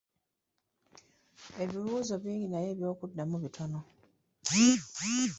Ebibuuzo bingi naye eby'okuddamu bitono.